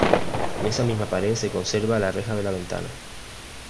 En esa misma pared se conserva la reja de la ventana.